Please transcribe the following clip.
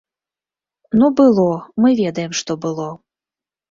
Ну, было, мы ведаем, што было.